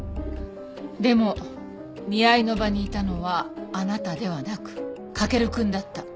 でも見合いの場にいたのはあなたではなく駆くんだった。